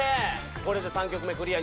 これで３曲目クリア